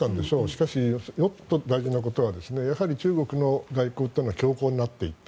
しかしもっと大事なことはやはり中国の外交というのは強硬になっていった。